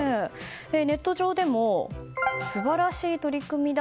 ネット上でも素晴らしい取り組みだ